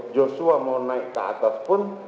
yang keatas pun